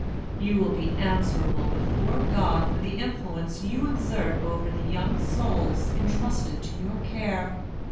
You will be answerable before God for the influence you exert over the young souls intrusted to your care.